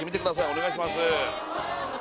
お願いします